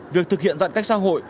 việc thực hiện giận cách xã hội